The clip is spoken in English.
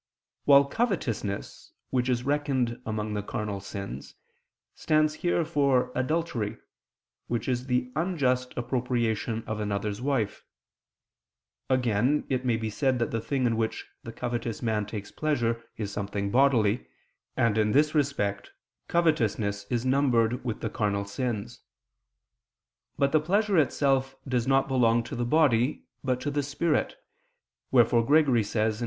While covetousness, which is reckoned among the carnal sins, stands here for adultery, which is the unjust appropriation of another's wife. Again, it may be said that the thing in which the covetous man takes pleasure is something bodily, and in this respect covetousness is numbered with the carnal sins: but the pleasure itself does not belong to the body, but to the spirit, wherefore Gregory says (Moral.